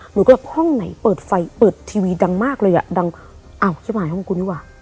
หนูก็แบบห้องไหนเปิดไฟเปิดทีวีดังมากเลยอ่ะดังอ้าวจะมาหาห้องกูนี่ว่ะ